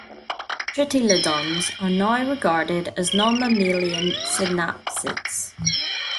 Tritylodons are now regarded as non-mammalian synapsids.